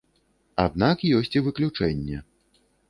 Аднак ёсць і выключэнне.